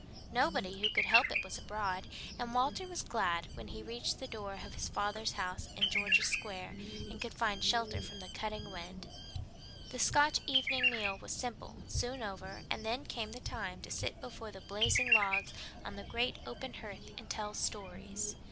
Nobody who could help it was abroad, and Walter was glad when he reached the door of his father's house in George's Square and could find shelter from the cutting wind. The Scotch evening meal was simple, soon over, and then came the time to sit before the blazing logs on the great open hearth and tell stories.